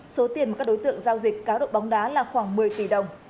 số tiền các đối tượng giao dịch cá độ bóng đá là khoảng một mươi tỷ đồng